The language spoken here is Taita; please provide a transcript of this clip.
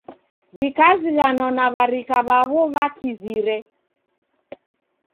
W'ikazighanwa na w'arika w'aw'o w'akizire.